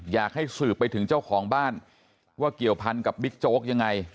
อยากให้สืบไปถึงเจ้าของบ้านว่าเกี่ยวพันกับบิ๊กโจ๊กยังไง